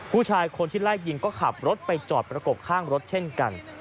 ผู้ชายคนที่ไล่ยิงก็ขับรถไปจอดประกบข้างรถเช่นกัน